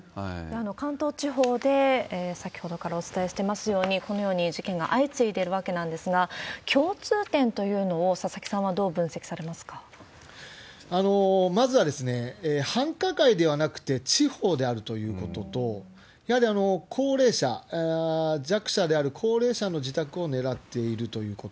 関東地方で先ほどからお伝えしていますように、このように事件が相次いでいるわけなんですが、共通点というのを、佐々木さんはまずは繁華街ではなくて、地方であるということと、やはり高齢者、弱者である高齢者の自宅を狙っているということ。